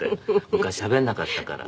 昔しゃべんなかったから。